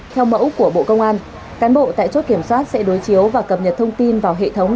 theo mẫu của bộ công an cán bộ tại chốt kiểm soát sẽ đối chiếu và cập nhật thông tin vào hệ thống